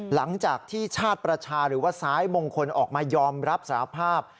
หลังจากที่ชาติประชาหรือว่าซ้ายมงคลออกมายอมรับสารภาพ